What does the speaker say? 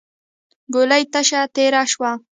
ګولۍ تشه تېره شوه.